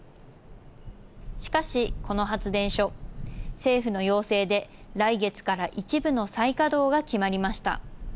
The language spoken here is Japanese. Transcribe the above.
しかし、この発電所、政府の要請で来月から一部の再稼働が決まりました。